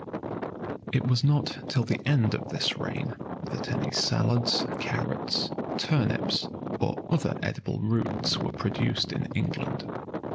It was not till the end of this reign that any salads, carrots, turnips, or other edible roots were produced in England.